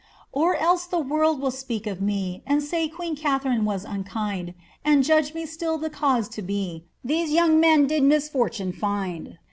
*0r else the world will speak of me, Ami saj queen Katharine was unkind ; And judge me still the cause to be, These 3roung men did misfortune find.'